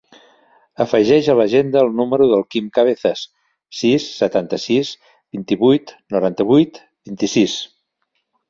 Afegeix a l'agenda el número del Quim Cabezas: sis, setanta-sis, vint-i-vuit, noranta-vuit, vint-i-sis.